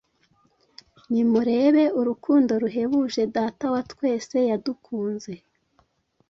Nimurebe urukundo ruhebuje Data wa twese yadukunze,